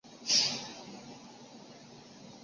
拉米兰迪亚是巴西巴拉那州的一个市镇。